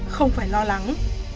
không phải lo lắng